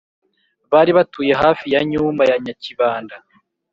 bari batuye hafi ya nyumba ya nyakibanda